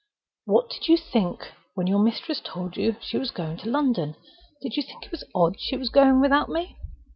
"What did you think when your mistress told you she was going to London? Did you think it odd she was going without me?"